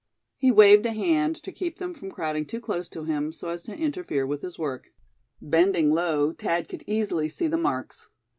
He waved a hand to keep them from crowding too close to him, so as to interfere with his work. Bending low, Thad could easily see the marks.